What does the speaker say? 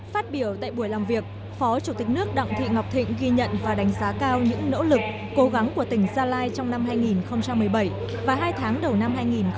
phát biểu tại buổi làm việc phó chủ tịch nước đặng thị ngọc thịnh ghi nhận và đánh giá cao những nỗ lực cố gắng của tỉnh gia lai trong năm hai nghìn một mươi bảy và hai tháng đầu năm hai nghìn một mươi chín